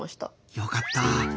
よかった！